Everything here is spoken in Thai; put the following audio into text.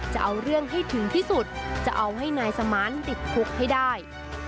จะเอาเรื่องให้ถึงที่สุดจะเอาให้นายสมานติดคุกให้ได้